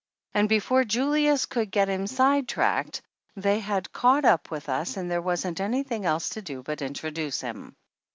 And before Julius could get him side tracked they had caught up with us and there wasn't anything else to do but introduce him.